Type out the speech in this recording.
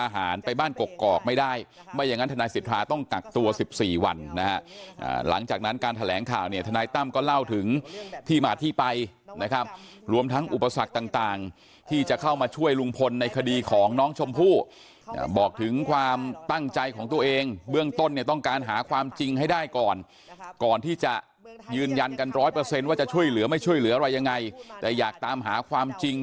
หลังจากนั้นการแถลงข่าวเนี่ยทนายตั้มก็เล่าถึงที่มาที่ไปนะครับรวมทั้งอุปสรรคต่างที่จะเข้ามาช่วยลุงพลในคดีของน้องชมพู่บอกถึงความตั้งใจของตัวเองเบื้องต้นเนี่ยต้องการหาความจริงให้ได้ก่อนก่อนที่จะยืนยันกันร้อยเปอร์เซ็นต์ว่าจะช่วยเหลือไม่ช่วยเหลืออะไรยังไงแต่อยากตามหาความจริง